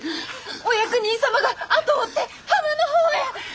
お役人様が後を追って浜の方へ！